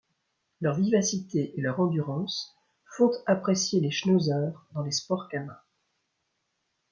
Leur vivacité et leur endurance font apprécier les schnauzers dans les sports canins.